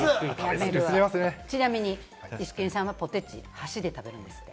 ちなみにイシケンさん、ポテチを箸で食べるんですって。